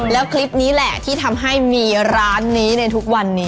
แล้วคลิปนี้แหละที่ทำให้มีร้านนี้ในทุกวันนี้